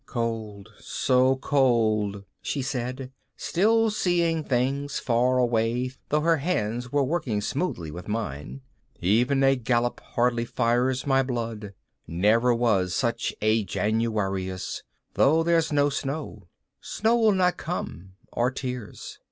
"Cold, so cold," she said, still seeing things far away though her hands were working smoothly with mine. "Even a gallop hardly fires my blood. Never was such a Januarius, though there's no snow. Snow will not come, or tears.